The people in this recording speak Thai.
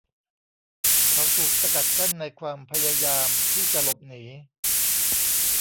เขาถูกสกัดกั้นในความพยายามที่จะหลบหนี